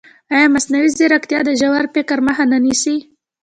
ایا مصنوعي ځیرکتیا د ژور فکر مخه نه نیسي؟